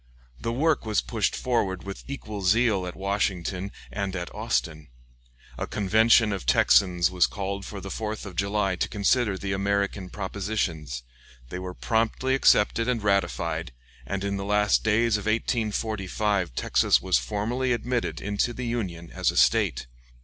The work was pushed forward with equal zeal at Washington and at Austin. A convention of Texans was called for the 4th of July to consider the American propositions; they were promptly accepted and ratified, and in the last days of 1845 Texas was formally admitted into the Union as a State.